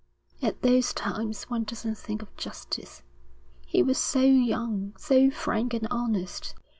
'At those times one doesn't think of justice. He was so young, so frank and honest.